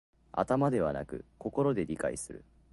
頭ではなく心で理解する